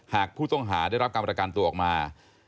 หากผู้ต้องหาได้รับการประกันตัวออกมา